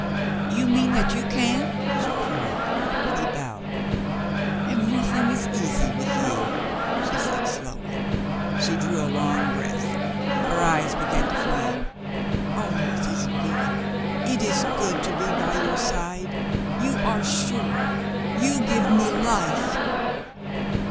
"You mean that you can?" she cried, and he bowed. "Everything is easy with you," she said slowly. She drew a long breath. Her eyes began to flame. "Oh, it is good, it is good to be by your side. You are sure. You give me life."